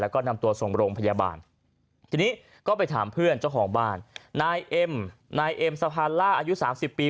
แล้วก็นำตัวส่งโรงพยาบาลทีนี้ก็ไปถามเพื่อนเจ้าของบ้านนายเอ็มนายเอ็มสะพานล่าอายุสามสิบปี